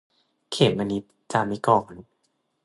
เขมนิจ จามิกรณ์